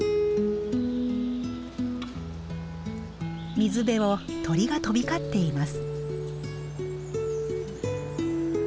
水辺を鳥が飛び交っています。